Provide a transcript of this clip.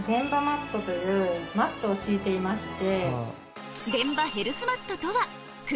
というマットを敷いていまして。